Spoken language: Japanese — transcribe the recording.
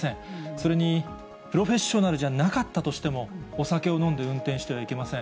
それにプロフェッショナルじゃなかったとしても、お酒を飲んで運転してはいけません。